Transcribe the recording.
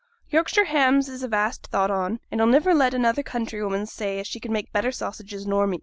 Yorkshire hams 's a vast thought on, and I'll niver let another county woman say as she can make better sausages nor me.